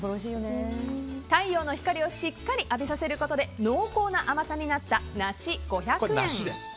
太陽の光をしっかり浴びさせることで濃厚な甘さになった梨、５００円。